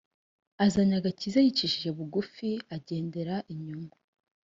azanye agakiza yicishije bugufi agendera inyuma